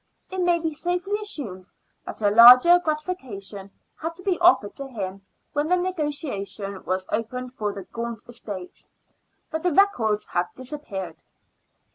It may be safely assumed that a larger gratification had to be offered to him when the negotiation was opened for the Gaunt estates, but the records have disappeared.